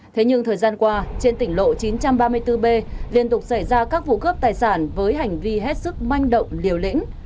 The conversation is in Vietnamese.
thế nhưng thời gian qua trên tỉnh lộ chín trăm ba mươi bốn b liên tục xảy ra các vụ cướp tài sản với hành vi hết sức manh động liều lĩnh